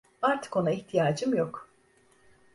Artık ona ihtiyacım yok.